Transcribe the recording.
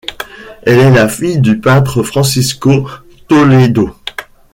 Elle est la fille du peintre Francisco Toledo.